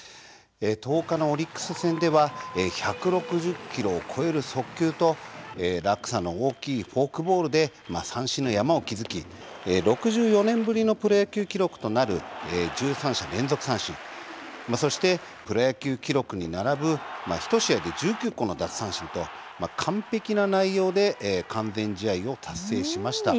１０日のオリックス戦では１６０キロを超える速球と落差の大きいフォークボールで三振の山を築き６４年ぶりのプロ野球記録となる１３者連続三振そして、プロ野球記録に並ぶ１試合で１９個の奪三振と完璧な内容で完全試合を達成しました。